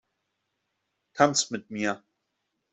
Tanz mit mir!